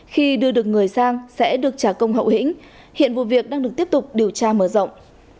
khi đưa được người sang sẽ được trả công hậu hĩnh hiện vụ việc đang được tiếp tục điều tra mở rộng